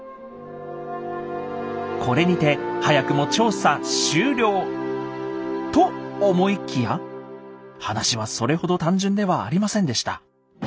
これにて早くも調査終了！と思いきや話はそれほど単純ではありませんでした。